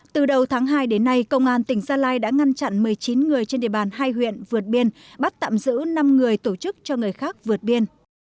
từ đầu tháng hai đến nay công an tỉnh gia lai đã ngăn chặn một mươi chín người trên địa bàn hai huyện vượt biên bắt tạm giữ năm người tổ chức cho người khác vượt biên